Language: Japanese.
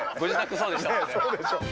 そうでしょ。